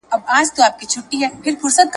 شپو ته مي خوبونه لکه زلفي زولانه راځي !.